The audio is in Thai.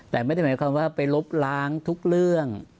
แต่ไม่ได้หมายความว่าไปลบล้างทุกเรื่อง